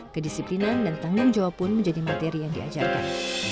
kedisiplinan dan tanggung jawab pun menjadi materi yang diajarkan